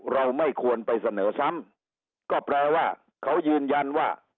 เราไม่ควรไปเสนอซ้ำก็แปลว่าเขายืนยันว่า